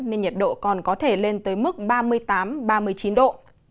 nên nhiệt độ còn có thể lên tới mức ba mươi tám ba mươi chín độ